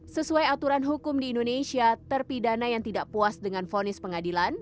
sesuai aturan hukum di indonesia terpidana yang tidak puas dengan fonis pengadilan